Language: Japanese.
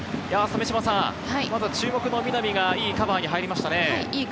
注目の南がいいカバーに入りましたね。